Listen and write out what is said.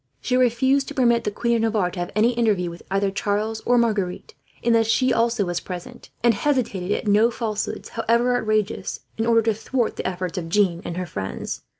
She refused to permit the Queen of Navarre to have any interview with either Charles or Marguerite, unless she was also present; and hesitated at no falsehoods, however outrageous, in order to thwart the efforts of Jeanne and her friends.